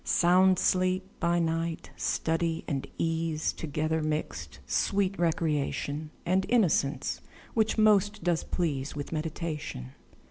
Sound sleep by night; study and ease Together mixed; sweet recreation, And innocence, which most does please With meditation.